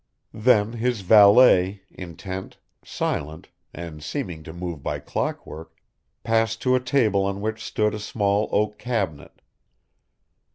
Then his valet, intent, silent, and seeming to move by clockwork, passed to a table on which stood a small oak cabinet.